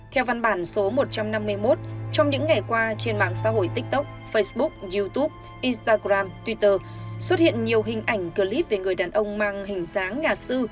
theo văn bản số một trăm năm mươi một trong những ngày qua trên mạng xã hội tiktok facebook youtube instagram twitter xuất hiện nhiều hình ảnh clip về người đàn ông mang hình dáng nhà sư